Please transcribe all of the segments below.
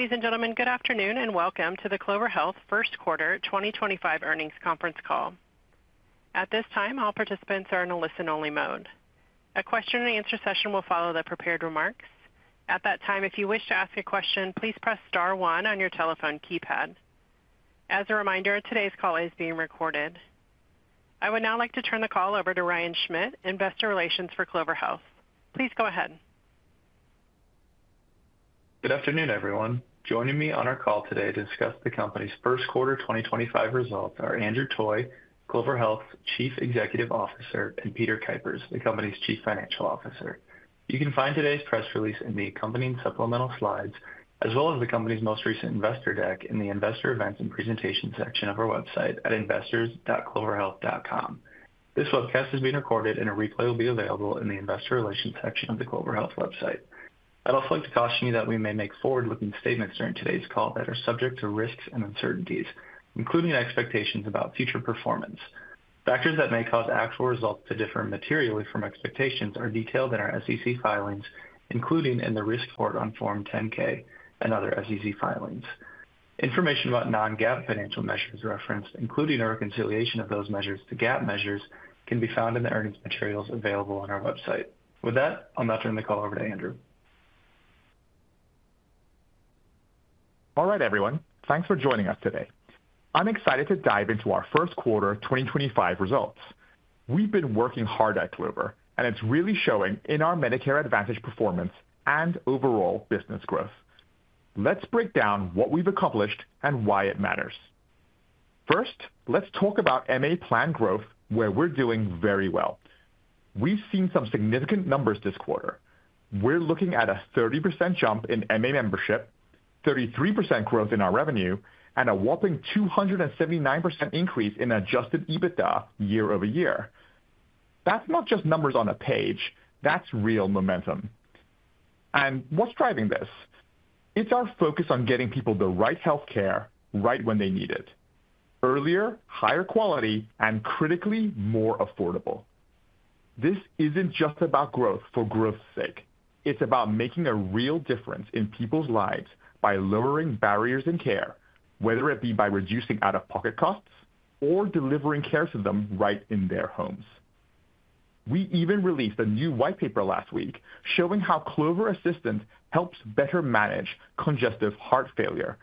Ladies and gentlemen, good afternoon and welcome to the Clover Health First Quarter 2025 earnings conference call. At this time, all participants are in a listen-only mode. A question-and-answer session will follow the prepared remarks. At that time, if you wish to ask a question, please press star one on your telephone keypad. As a reminder, today's call is being recorded. I would now like to turn the call over to Ryan Schmidt, Investor Relations for Clover Health. Please go ahead. Good afternoon, everyone. Joining me on our call today to discuss the company's first quarter 2025 results are Andrew Toy, Clover Health's Chief Executive Officer, and Peter Kuipers, the company's Chief Financial Officer. You can find today's press release in the accompanying supplemental slides, as well as the company's most recent investor deck in the Investor Events and Presentations section of our website at investors.cloverhealth.com. This webcast is being recorded, and a replay will be available in the Investor Relations section of the Clover Health website. I'd also like to caution you that we may make forward-looking statements during today's call that are subject to risks and uncertainties, including expectations about future performance. Factors that may cause actual results to differ materially from expectations are detailed in our SEC filings, including in the risk report on Form 10-K and other SEC filings. Information about non-GAAP financial measures referenced, including a reconciliation of those measures to GAAP measures, can be found in the earnings materials available on our website. With that, I'll now turn the call over to Andrew. All right, everyone. Thanks for joining us today. I'm excited to dive into our first quarter 2025 results. We've been working hard at Clover, and it's really showing in our Medicare Advantage performance and overall business growth. Let's break down what we've accomplished and why it matters. First, let's talk about MA plan growth, where we're doing very well. We've seen some significant numbers this quarter. We're looking at a 30% jump in MA membership, 33% growth in our revenue, and a whopping 279% increase in Adjusted EBITDA year-over-year. That's not just numbers on a page. That's real momentum. What's driving this? It's our focus on getting people the right healthcare right when they need it: earlier, higher quality, and critically, more affordable. This isn't just about growth for growth's sake. It's about making a real difference in people's lives by lowering barriers in care, whether it be by reducing out-of-pocket costs or delivering care to them right in their homes. We even released a new white paper last week showing how Clover Assistant helps better manage congestive heart failure,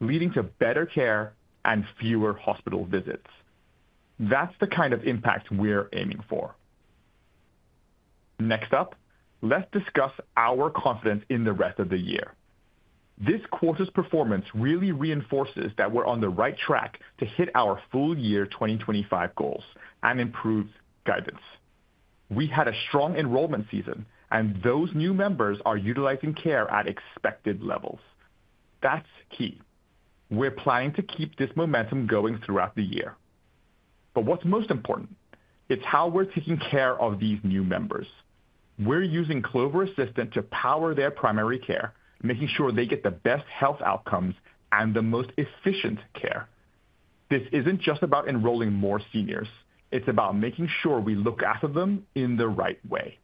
leading to better care and fewer hospital visits. That's the kind of impact we're aiming for. Next up, let's discuss our confidence in the rest of the year. This quarter's performance really reinforces that we're on the right track to hit our full year 2025 goals and improved guidance. We had a strong enrollment season, and those new members are utilizing care at expected levels. That's key. We're planning to keep this momentum going throughout the year. What is most important, it's how we're taking care of these new members. We're using Clover Assistant to power their primary care, making sure they get the best health outcomes and the most efficient care. This isn't just about enrolling more seniors; it's about making sure we look after them in the right way.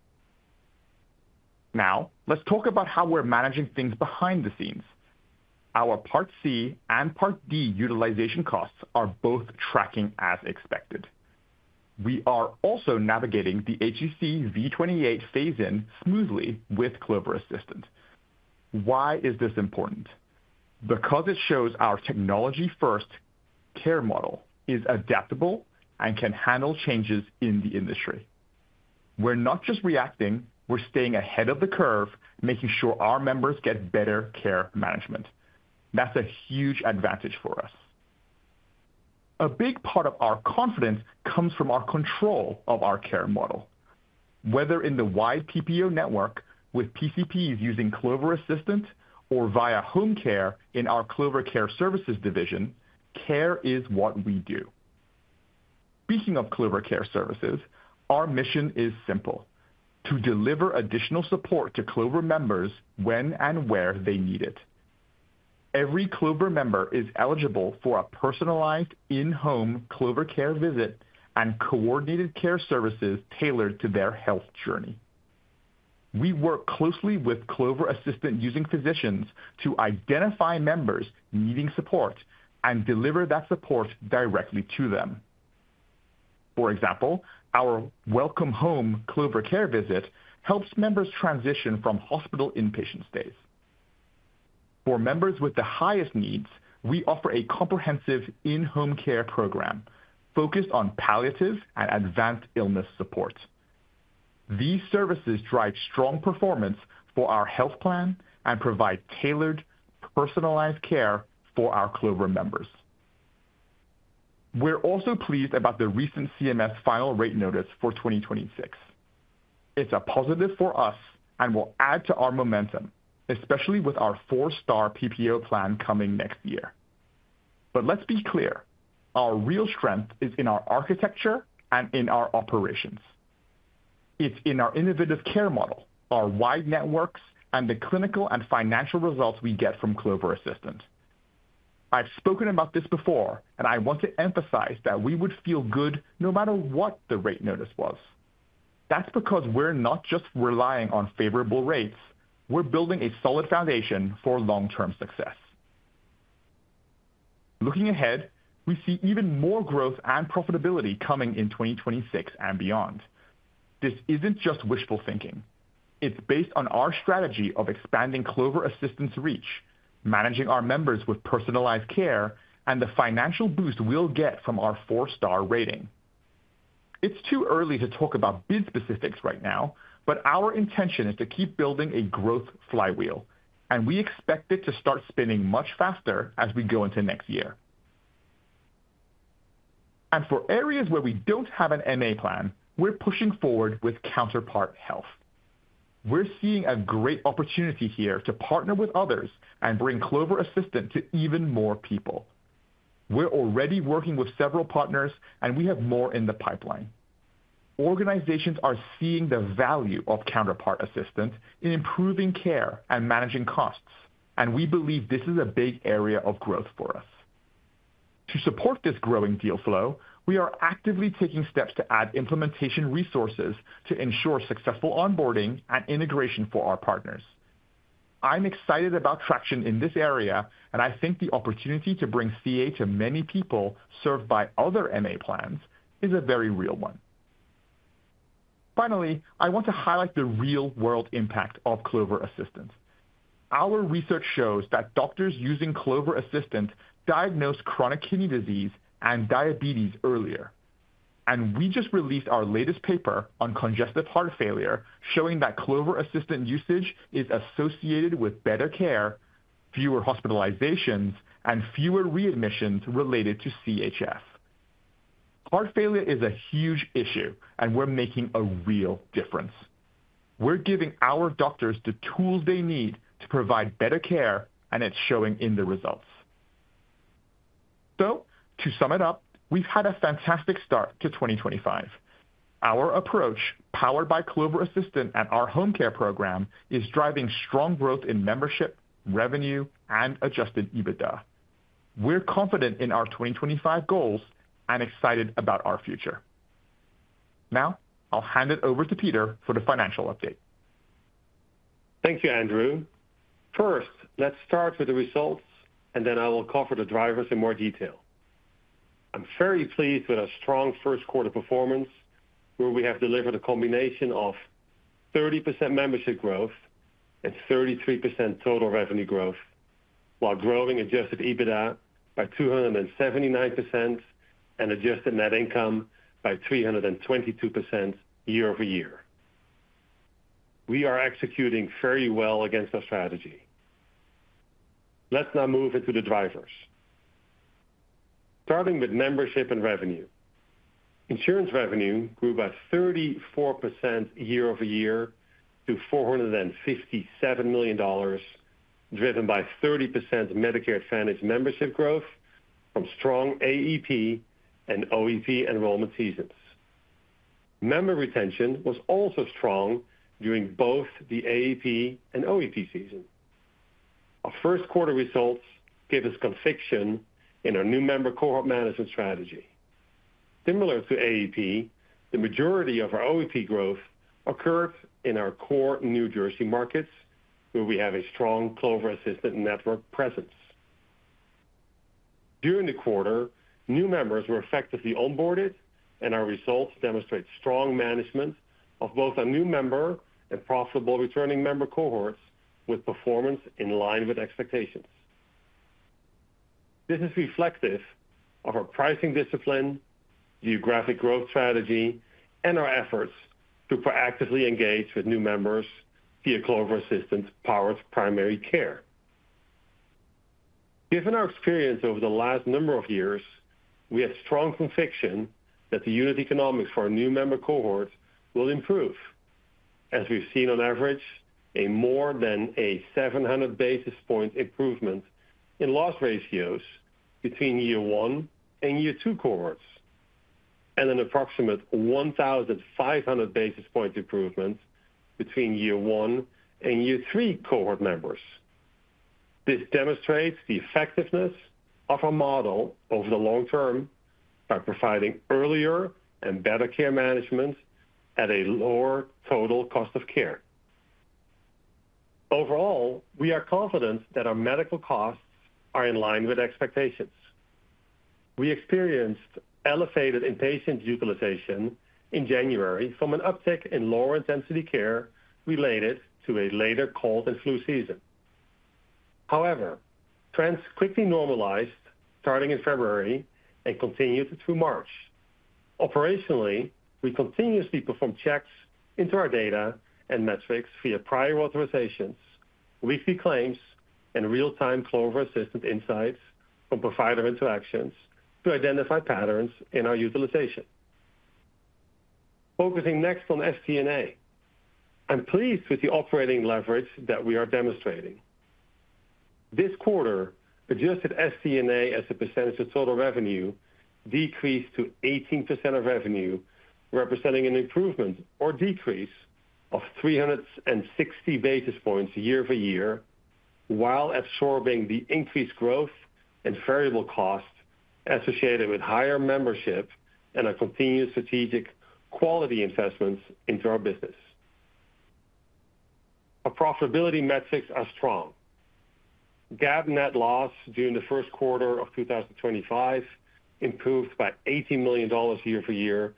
Now, let's talk about how we're managing things behind the scenes. Our Part C and Part D utilization costs are both tracking as expected. We are also navigating the HCC V28 phase-in smoothly with Clover Assistant. Why is this important? Because it shows our technology-first care model is adaptable and can handle changes in the industry. We're not just reacting; we're staying ahead of the curve, making sure our members get better care management. That's a huge advantage for us. A big part of our confidence comes from our control of our care model. Whether in the wide PPO network with PCPs using Clover Assistant or via home care in our Clover Care Services division, care is what we do. Speaking of Clover Care Services, our mission is simple: to deliver additional support to Clover members when and where they need it. Every Clover member is eligible for a personalized in-home Clover care visit and coordinated care services tailored to their health journey. We work closely with Clover Assistant using physicians to identify members needing support and deliver that support directly to them. For example, our welcome home Clover care visit helps members transition from hospital inpatient stays. For members with the highest needs, we offer a comprehensive in-home care program focused on palliative and advanced illness support. These services drive strong performance for our health plan and provide tailored, personalized care for our Clover members. We're also pleased about the recent CMS final rate notice for 2026. It's a positive for us and will add to our momentum, especially with our four-star PPO plan coming next year. Let's be clear: our real strength is in our architecture and in our operations. It's in our innovative care model, our wide networks, and the clinical and financial results we get from Clover Assistant. I've spoken about this before, and I want to emphasize that we would feel good no matter what the rate notice was. That's because we're not just relying on favorable rates; we're building a solid foundation for long-term success. Looking ahead, we see even more growth and profitability coming in 2026 and beyond. This isn't just wishful thinking. It's based on our strategy of expanding Clover Assistant's reach, managing our members with personalized care, and the financial boost we'll get from our four-star rating. It is too early to talk about bid specifics right now, but our intention is to keep building a growth flywheel, and we expect it to start spinning much faster as we go into next year. For areas where we do not have an MA plan, we're pushing forward with Counterpart Health. We're seeing a great opportunity here to partner with others and bring Clover Assistant to even more people. We're already working with several partners, and we have more in the pipeline. Organizations are seeing the value of Counterpart Assistant in improving care and managing costs, and we believe this is a big area of growth for us. To support this growing deal flow, we are actively taking steps to add implementation resources to ensure successful onboarding and integration for our partners. I'm excited about traction in this area, and I think the opportunity to bring CA to many people served by other MA plans is a very real one. Finally, I want to highlight the real-world impact of Clover Assistant. Our research shows that doctors using Clover Assistant diagnosed chronic kidney disease and diabetes earlier. We just released our latest paper on congestive heart failure, showing that Clover Assistant usage is associated with better care, fewer hospitalizations, and fewer readmissions related to CHF. Heart failure is a huge issue, and we're making a real difference. We're giving our doctors the tools they need to provide better care, and it's showing in the results. To sum it up, we've had a fantastic start to 2025. Our approach, powered by Clover Assistant and our home care program, is driving strong growth in membership, revenue, and Adjusted EBITDA. We're confident in our 2025 goals and excited about our future. Now, I'll hand it over to Peter for the financial update. Thank you, Andrew. First, let's start with the results, and then I will cover the drivers in more detail. I'm very pleased with our strong first quarter performance, where we have delivered a combination of 30% membership growth and 33% total revenue growth, while growing Adjusted EBITDA by 279% and adjusted net income by 322% year-over-year. We are executing very well against our strategy. Let's now move into the drivers. Starting with membership and revenue. Insurance revenue grew by 34% year-over-year to $457 million, driven by 30% Medicare Advantage membership growth from strong AEP and OEP enrollment seasons. Member retention was also strong during both the AEP and OEP season. Our first quarter results give us conviction in our new member cohort management strategy. Similar to AEP, the majority of our OEP growth occurred in our core New Jersey markets, where we have a strong Clover Assistant network presence. During the quarter, new members were effectively onboarded, and our results demonstrate strong management of both our new member and profitable returning member cohorts, with performance in line with expectations. This is reflective of our pricing discipline, geographic growth strategy, and our efforts to proactively engage with new members via Clover Assistant powered primary care. Given our experience over the last number of years, we have strong conviction that the unit economics for our new member cohorts will improve, as we've seen on average a more than a 700 basis point improvement in loss ratios between year one and year two cohorts, and an approximate 1,500 basis point improvement between year one and year three cohort members. This demonstrates the effectiveness of our model over the long term by providing earlier and better care management at a lower total cost of care. Overall, we are confident that our medical costs are in line with expectations. We experienced elevated inpatient utilization in January from an uptick in lower intensity care related to a later cold and flu season. However, trends quickly normalized starting in February and continued through March. Operationally, we continuously perform checks into our data and metrics via prior authorizations, weekly claims, and real-time Clover Assistant insights from provider interactions to identify patterns in our utilization. Focusing next on SD&A, I'm pleased with the operating leverage that we are demonstrating. This quarter, adjusted SD&A as a percentage of total revenue decreased to 18% of revenue, representing an improvement or decrease of 360 basis points year-over-year, while absorbing the increased growth and variable cost associated with higher membership and our continued strategic quality investments into our business. Our profitability metrics are strong. GAAP net loss during the first quarter of 2025 improved by $18 million year-over-year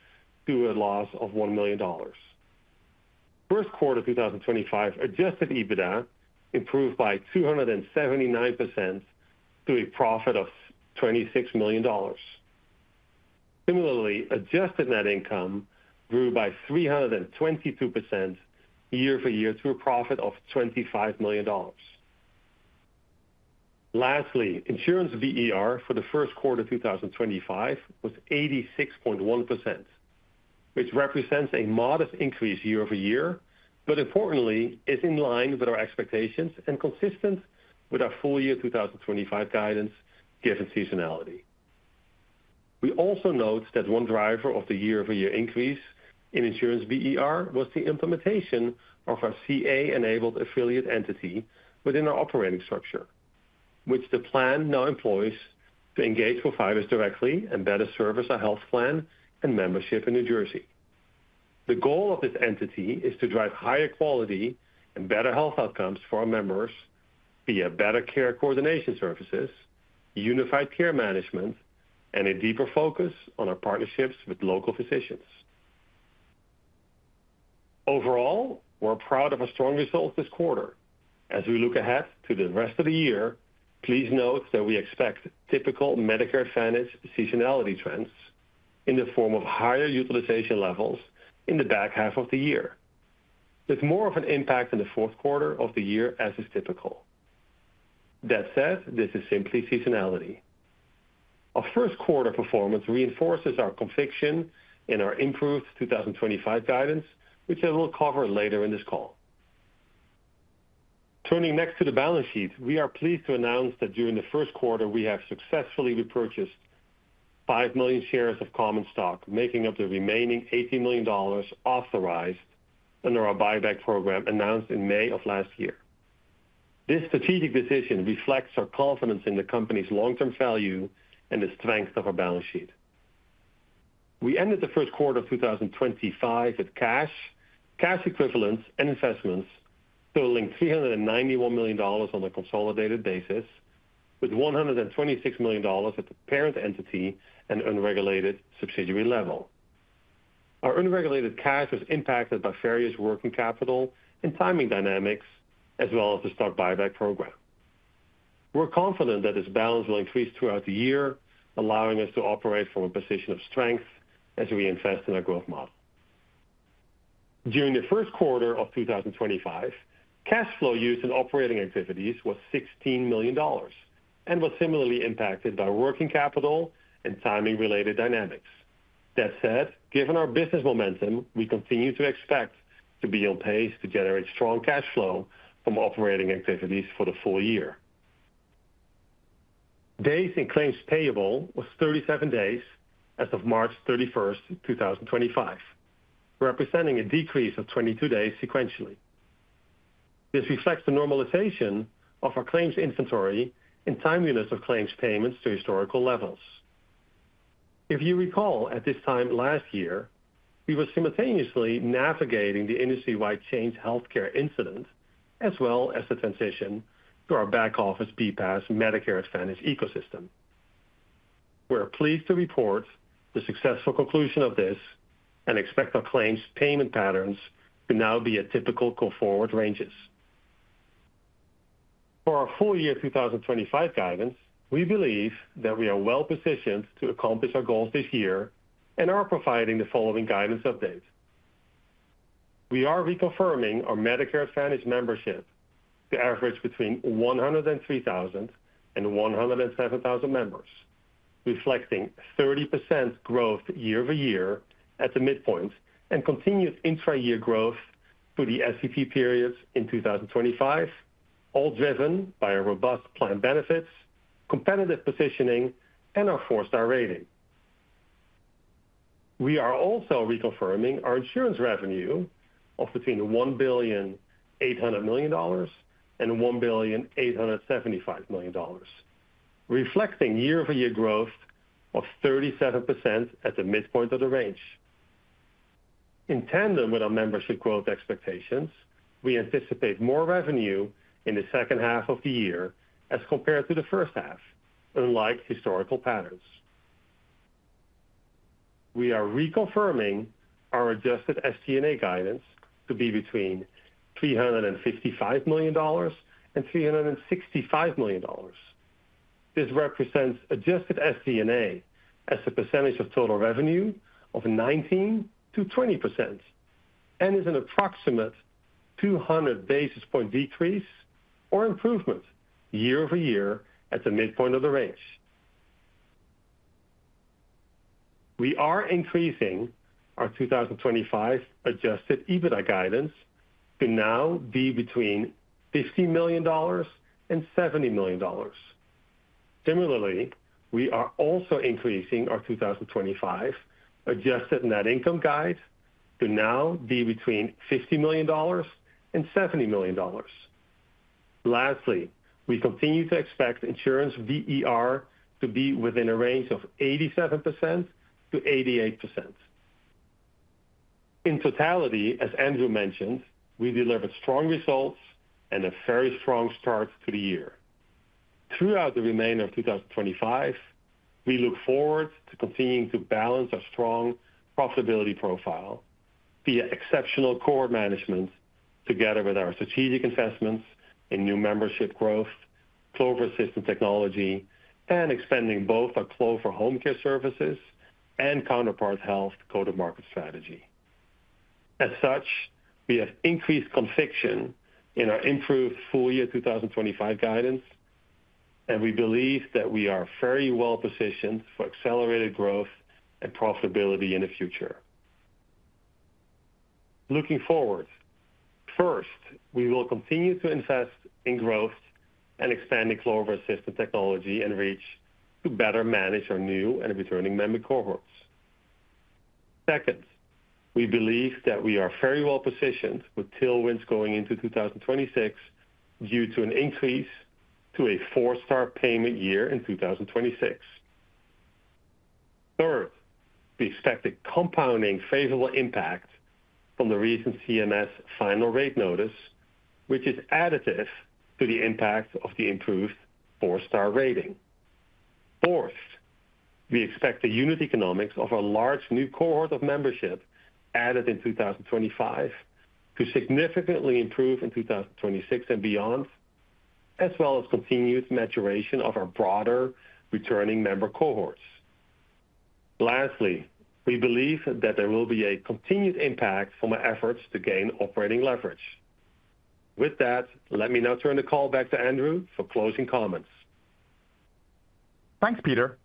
to a loss of $1 million. First quarter 2025 Adjusted EBITDA improved by 279% to a profit of $26 million. Similarly, adjusted net income grew by 322% year-over-year to a profit of $25 million. Lastly, insurance VER for the first quarter 2025 was 86.1%, which represents a modest increase year- over-year, but importantly, is in line with our expectations and consistent with our full year 2025 guidance given seasonality. We also note that one driver of the year-over-year increase in insurance VER was the implementation of our CA-enabled affiliate entity within our operating structure, which the plan now employs to engage providers directly and better service our health plan and membership in New Jersey. The goal of this entity is to drive higher quality and better health outcomes for our members via better care coordination services, unified care management, and a deeper focus on our partnerships with local physicians. Overall, we're proud of our strong results this quarter. As we look ahead to the rest of the year, please note that we expect typical Medicare Advantage seasonality trends in the form of higher utilization levels in the back half of the year, with more of an impact in the fourth quarter of the year as is typical. That said, this is simply seasonality. Our first quarter performance reinforces our conviction in our improved 2025 guidance, which I will cover later in this call. Turning next to the balance sheet, we are pleased to announce that during the first quarter, we have successfully repurchased 5 million shares of Common Stock, making up the remaining $18 million authorized under our buyback program announced in May of last year. This strategic decision reflects our confidence in the company's long-term value and the strength of our balance sheet. We ended the first quarter of 2025 with cash, cash equivalents, and investments totaling $391 million on a consolidated basis, with $126 million at the parent entity and unregulated subsidiary level. Our unregulated cash was impacted by various working capital and timing dynamics, as well as the stock buyback program. We're confident that this balance will increase throughout the year, allowing us to operate from a position of strength as we invest in our growth model. During the first quarter of 2025, cash flow used in operating activities was $16 million and was similarly impacted by working capital and timing-related dynamics. That said, given our business momentum, we continue to expect to be on pace to generate strong cash flow from operating activities for the full year. Days in claims payable was 37 days as of March 31st, 2025, representing a decrease of 22 days sequentially. This reflects the normalization of our claims inventory and timeliness of claims payments to historical levels. If you recall, at this time last year, we were simultaneously navigating the industry-wide Change Healthcare incident, as well as the transition to our back-office BPAS Medicare Advantage ecosystem. We're pleased to report the successful conclusion of this and expect our claims payment patterns to now be at typical go-forward ranges. For our full year 2025 guidance, we believe that we are well-positioned to accomplish our goals this year and are providing the following guidance update. We are reconfirming our Medicare Advantage membership to average between 103,000 and 107,000 members, reflecting 30% growth year-over-year at the midpoint and continued intra-year growth for the SVP periods in 2025, all driven by our robust plan benefits, competitive positioning, and our four-star rating. We are also reconfirming our insurance revenue of between $1,800 million and $1,875 million, reflecting year-over-year growth of 37% at the midpoint of the range. In tandem with our membership growth expectations, we anticipate more revenue in the second half of the year as compared to the first half, unlike historical patterns. We are reconfirming our Adjusted SD&A guidance to be between $355 million and $365 million. This represents Adjusted SD&A as a percentage of total revenue of 19%-20% and is an approximate 200 basis point decrease or improvement year-over-year at the midpoint of the range. We are increasing our 2025 Adjusted EBITDA guidance to now be between $15 million and $70 million. Similarly, we are also increasing our 2025 adjusted net income guide to now be between $50 million and $70 million. Lastly, we continue to expect insurance VER to be within a range of 87%-88%. In totality, as Andrew mentioned, we delivered strong results and a very strong start to the year. Throughout the remainder of 2025, we look forward to continuing to balance our strong profitability profile via exceptional cohort management together with our strategic investments in new membership growth, Clover Assistant technology, and expanding both our Clover Home Care services and Counterpart Health go-to-market strategy. As such, we have increased conviction in our improved full year 2025 guidance, and we believe that we are very well-positioned for accelerated growth and profitability in the future. Looking forward, first, we will continue to invest in growth and expanding Clover Assistant technology and reach to better manage our new and returning member cohorts. Second, we believe that we are very well-positioned with tailwinds going into 2026 due to an increase to a four-star payment year in 2026. Third, we expect a compounding favorable impact from the recent CMS final rate notice, which is additive to the impact of the improved four-star rating. Fourth, we expect the unit economics of our large new cohort of membership added in 2025 to significantly improve in 2026 and beyond, as well as continued maturation of our broader returning member cohorts. Lastly, we believe that there will be a continued impact from our efforts to gain operating leverage. With that, let me now turn the call back to Andrew for closing comments. Thanks, Peter.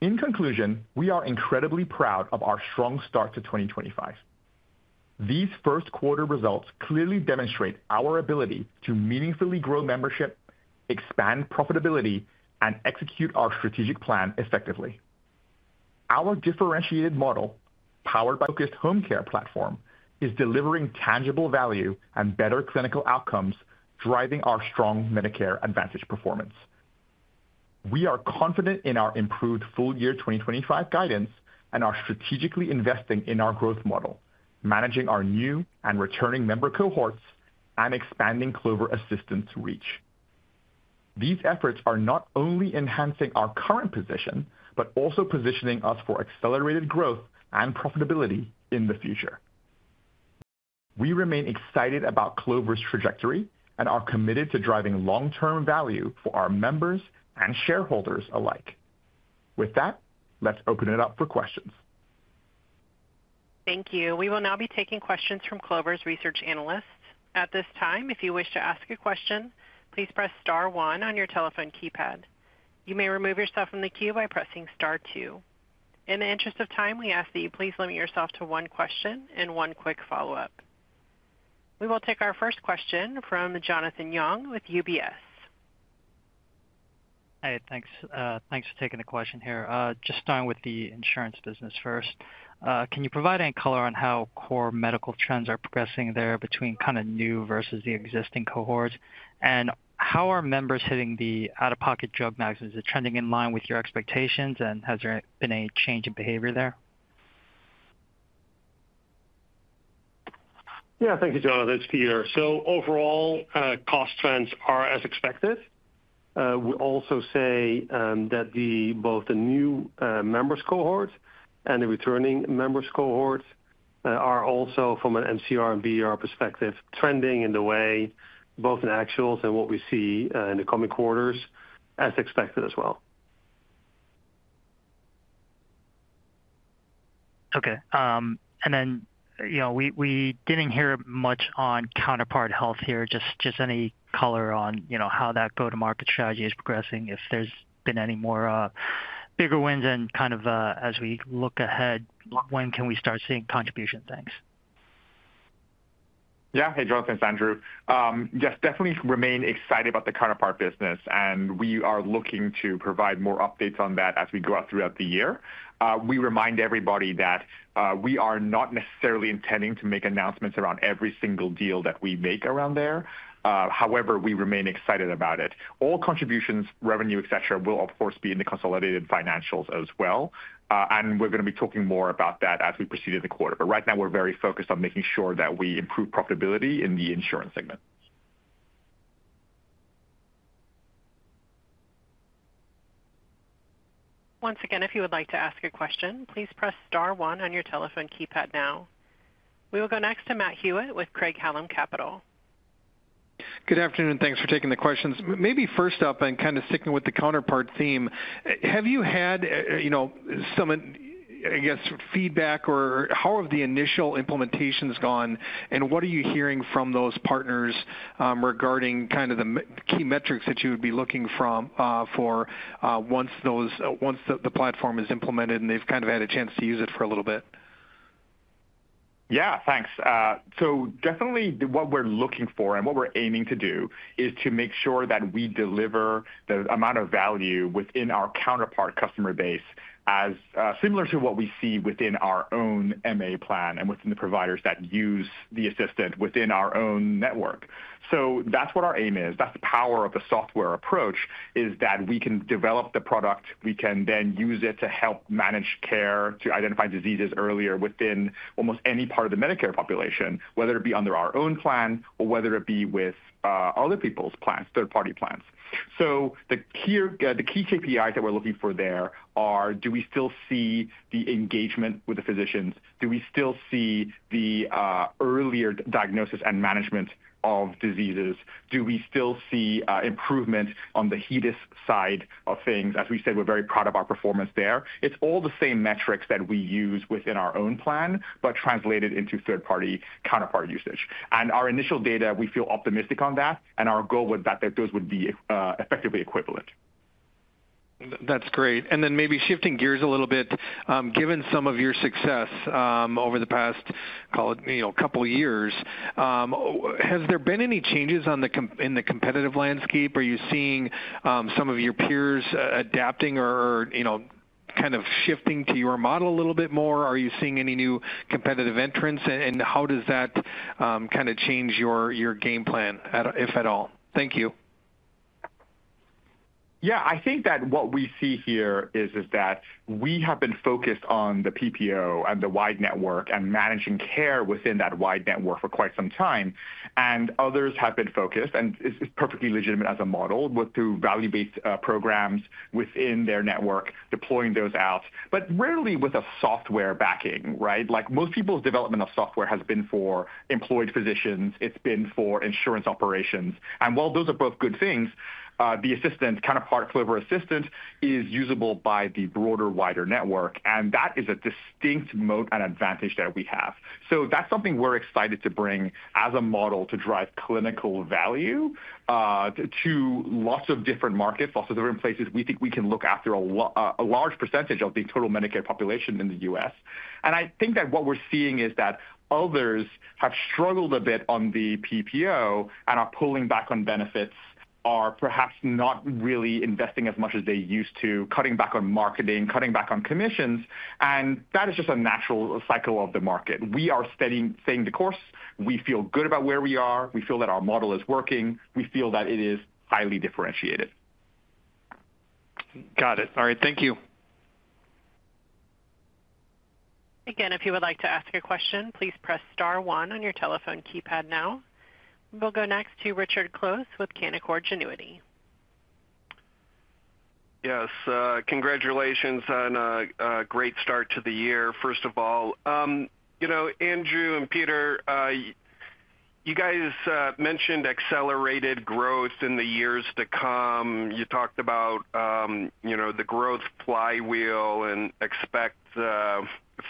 In conclusion, we are incredibly proud of our strong start to 2025. These first quarter results clearly demonstrate our ability to meaningfully grow membership, expand profitability, and execute our strategic plan effectively. Our differentiated model, powered by a focused home care platform, is delivering tangible value and better clinical outcomes, driving our strong Medicare Advantage performance. We are confident in our improved full year 2025 guidance and are strategically investing in our growth model, managing our new and returning member cohorts, and expanding Clover Assistant's reach. These efforts are not only enhancing our current position, but also positioning us for accelerated growth and profitability in the future. We remain excited about Clover's trajectory and are committed to driving long-term value for our members and shareholders alike. With that, let's open it up for questions. Thank you. We will now be taking questions from Clover's Research Analysts. At this time, if you wish to ask a question, please press star one on your telephone keypad. You may remove yourself from the queue by pressing star two. In the interest of time, we ask that you please limit yourself to one question and one quick follow-up. We will take our first question from Jonathan Young with UBS. Hey, thanks. Thanks for taking the question here. Just starting with the insurance business first, can you provide any color on how core medical trends are progressing there between kind of new versus the existing cohort? And how are members hitting the out-of-pocket drug maximums? Is it trending in line with your expectations, and has there been a change in behavior there? Yeah, thank you, Jonathan. That's Peter. So overall, cost trends are as expected. We also say that both the new members cohort and the returning members cohort are also, from an MCR and VER perspective, trending in the way both in actuals and what we see in the coming quarters, as expected as well. Okay. You know, we didn't hear much on Counterpart Health here. Just any color on how that go-to-market strategy is progressing, if there's been any more bigger wins and kind of, as we look ahead, when can we start seeing contribution things? Yeah. Hey, Jonathan, it's Andrew. Yes, definitely remain excited about the Counterpart business, and we are looking to provide more updates on that as we go out throughout the year. We remind everybody that we are not necessarily intending to make announcements around every single deal that we make around there. However, we remain excited about it. All contributions, revenue, et cetera, will, of course, be in the consolidated financials as well. We are going to be talking more about that as we proceed in the quarter. Right now, we're very focused on making sure that we improve profitability in the insurance segment. Once again, if you would like to ask a question, please press star one on your telephone keypad now. We will go next to Matt Hewitt with Craig-Hallum Capital. Good afternoon. Thanks for taking the questions. Maybe first up, and kind of sticking with the Counterpart theme, have you had, you know, some, I guess, feedback or how have the initial implementations gone? And what are you hearing from those partners regarding kind of the key metrics that you would be looking for once the platform is implemented and they've kind of had a chance to use it for a little bit? Yeah, thanks. Definitely what we're looking for and what we're aiming to do is to make sure that we deliver the amount of value within our Counterpart customer base as similar to what we see within our own MA plan and within the providers that use the Assistant within our own network. That's what our aim is. That's the power of the software approach, is that we can develop the product. We can then use it to help manage care, to identify diseases earlier within almost any part of the Medicare population, whether it be under our own plan or whether it be with other people's plans, third-party plans. The key KPIs that we're looking for there are, do we still see the engagement with the physicians? Do we still see the earlier diagnosis and management of diseases? Do we still see improvement on the HEDIS side of things? As we said, we're very proud of our performance there. It's all the same metrics that we use within our own plan, but translated into third-party counterpart usage. And our initial data, we feel optimistic on that, and our goal was that those would be effectively equivalent. That's great. Maybe shifting gears a little bit, given some of your success over the past, call it, you know, couple of years, has there been any changes in the competitive landscape? Are you seeing some of your peers adapting or, you know, kind of shifting to your model a little bit more? Are you seeing any new competitive entrants? How does that kind of change your game plan, if at all? Thank you. Yeah, I think that what we see here is that we have been focused on the PPO and the wide network and managing care within that wide network for quite some time. Others have been focused, and it's perfectly legitimate as a model, with value-based programs within their network, deploying those out, but rarely with a software backing, right? Like most people's development of software has been for employed physicians. It's been for insurance operations. While those are both good things, the assistant, Counterpart Assistant, Clover Assistant, is usable by the broader, wider network, and that is a distinct moat and advantage that we have. That's something we're excited to bring as a model to drive clinical value to lots of different markets, lots of different places. We think we can look after a large percentage of the total Medicare population in the U.S. I think that what we're seeing is that others have struggled a bit on the PPO and are pulling back on benefits, are perhaps not really investing as much as they used to, cutting back on marketing, cutting back on commissions. That is just a natural cycle of the market. We are steadying the course. We feel good about where we are. We feel that our model is working. We feel that it is highly differentiated. Got it. All right. Thank you. Again, if you would like to ask a question, please press star one on your telephone keypad now. We'll go next to Richard Close with Canaccord Genuity. Yes. Congratulations on a great start to the year, first of all. You know, Andrew and Peter, you guys mentioned accelerated growth in the years to come. You talked about, you know, the growth flywheel and expect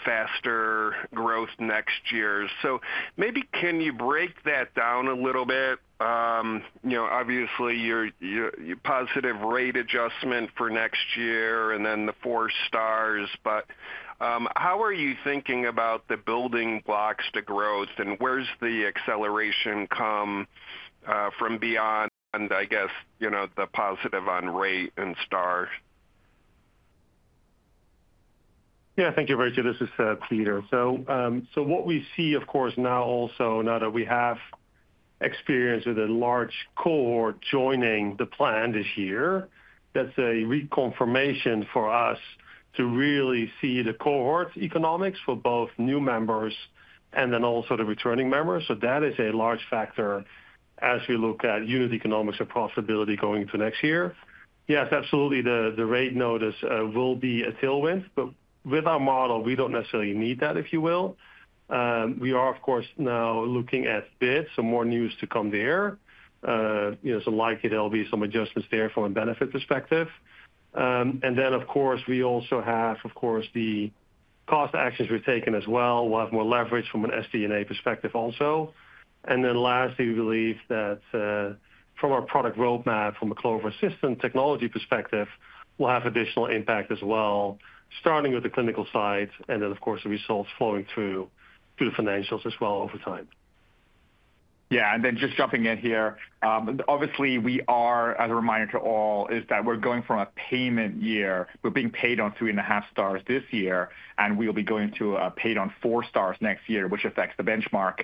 faster growth next year. Maybe can you break that down a little bit? You know, obviously, your positive rate adjustment for next year and then the four stars, but how are you thinking about the building blocks to growth? Where's the acceleration come from beyond, I guess, you know, the positive on rate and star? Yeah, thank you, Richard. This is Peter. What we see, of course, now also, now that we have experience with a large cohort joining the plan this year, that's a reconfirmation for us to really see the cohort economics for both new members and then also the returning members. That is a large factor as we look at unit economics and profitability going into next year. Yes, absolutely. The rate notice will be a tailwind, but with our model, we do not necessarily need that, if you will. We are, of course, now looking at bids, so more news to come there. You know, some likelihood, there will be some adjustments there from a benefit perspective. Of course, we also have, of course, the cost actions we have taken as well. We will have more leverage from an SD&A perspective also. Lastly, we believe that from our product roadmap, from a Clover Assistant technology perspective, we will have additional impact as well, starting with the clinical side and then, of course, the results flowing through to the financials as well over time. Yeah. Just jumping in here, obviously, we are, as a reminder to all, is that we are going from a payment year. We're being paid on three and a half stars this year, and we'll be going to a paid on four stars next year, which affects the benchmark.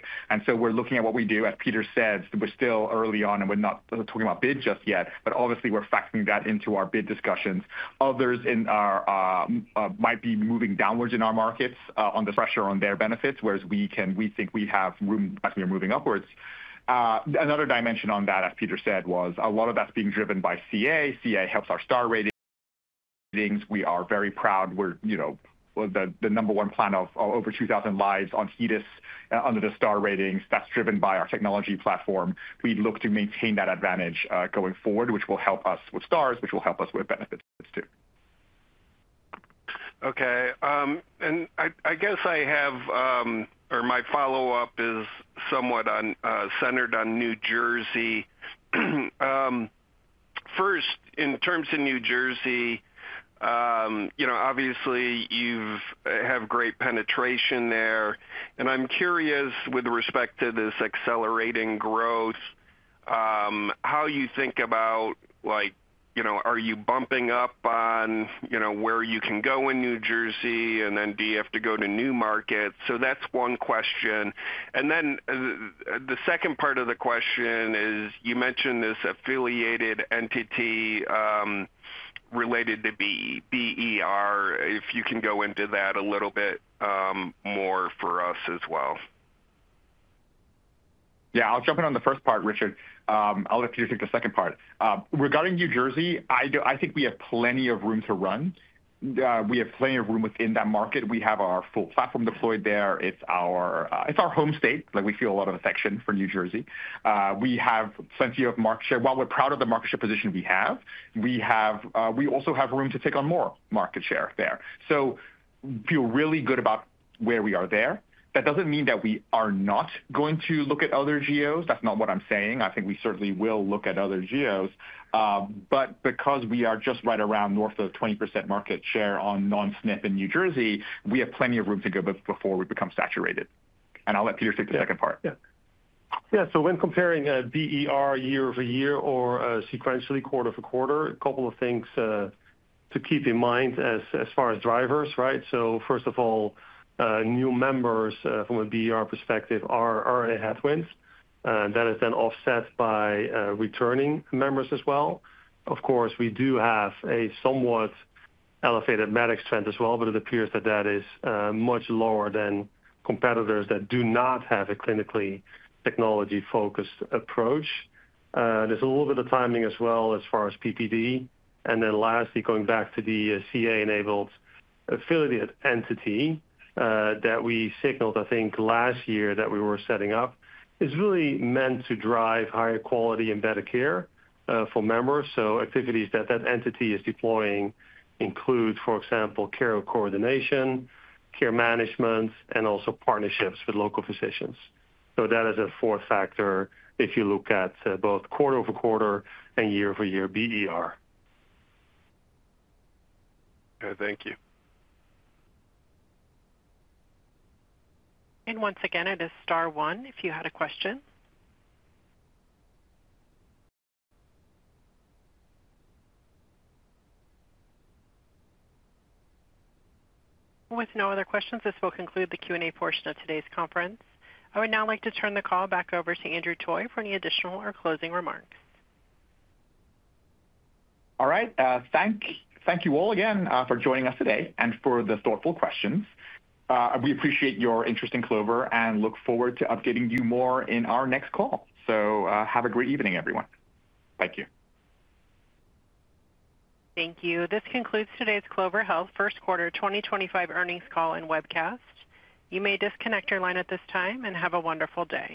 We're looking at what we do, as Peter said, we're still early on and we're not talking about bid just yet, but obviously, we're factoring that into our bid discussions. Others in our market might be moving downwards in our markets on the pressure on their benefits, whereas we can, we think we have room as we are moving upwards. Another dimension on that, as Peter said, was a lot of that's being driven by CA. CA helps our star ratings. We are very proud. We're, you know, the number one plan of over 2,000 lives on HEDIS under the star ratings. That's driven by our technology platform. We look to maintain that advantage going forward, which will help us with stars, which will help us with benefits too. Okay. I guess I have, or my follow-up is somewhat centered on New Jersey. First, in terms of New Jersey, you know, obviously, you have great penetration there. I'm curious, with respect to this accelerating growth, how you think about, like, you know, are you bumping up on, you know, where you can go in New Jersey? Do you have to go to new markets? That's one question. The second part of the question is, you mentioned this affiliated entity related to BER. If you can go into that a little bit more for us as well. Yeah, I'll jump in on the first part, Richard. I'll let Peter take the second part. Regarding New Jersey, I think we have plenty of room to run. We have plenty of room within that market. We have our full platform deployed there. It's our home state. Like we feel a lot of affection for New Jersey. We have plenty of market share. While we're proud of the market share position we have, we also have room to take on more market share there. So we feel really good about where we are there. That does not mean that we are not going to look at other GOs. That's not what I'm saying. I think we certainly will look at other GOs. Because we are just right around north of 20% market share on non-SNIP in New Jersey, we have plenty of room to go before we become saturated. I'll let Peter take the second part. Yeah. Yeah. When comparing BER year-over-year or sequentially quarter over quarter, a couple of things to keep in mind as far as drivers, right? First of all, new members from a BER perspective are a headwind. That is then offset by returning members as well. Of course, we do have a somewhat elevated medics trend as well, but it appears that that is much lower than competitors that do not have a clinically technology-focused approach. There is a little bit of timing as well as far as PPD. Lastly, going back to the CA-enabled affiliate entity that we signaled, I think, last year that we were setting up, it is really meant to drive higher quality and better care for members. Activities that that entity is deploying include, for example, care coordination, care management, and also partnerships with local physicians. So that is a fourth factor if you look at both quarter over quarter and year-over-year BER. Okay. Thank you. Once again, it is Star 1 if you had a question. With no other questions, this will conclude the Q&A portion of today's conference. I would now like to turn the call back over to Andrew Toy for any additional or closing remarks. All right. Thank you all again for joining us today and for the thoughtful questions. We appreciate your interest in Clover and look forward to updating you more in our next call. Have a great evening, everyone. Thank you. This concludes today's Clover Health First Quarter 2025 earnings call and webcast. You may disconnect your line at this time and have a wonderful day.